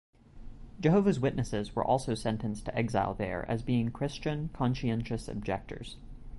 Jehovah's Witnesses were also sentenced to exile there as being Christian conscientious objectors.